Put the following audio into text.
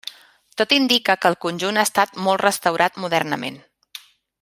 Tot indica que el conjunt ha estat molt restaurat modernament.